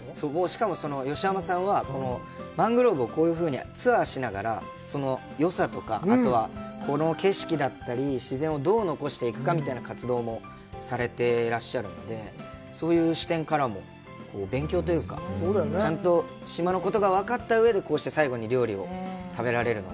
しかも、吉浜さんは、このマングローブをこういうふうにツアーしながら、そのよさとかあとはこの景色だったり自然をどう残していくかという活動もされていらっしゃるので、そういう視点からも、勉強というか、ちゃんと島のことが分かった上でこうして最後に料理を食べられるので。